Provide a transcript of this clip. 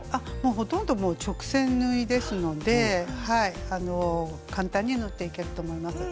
ほとんど直線縫いですので簡単に縫っていけると思います。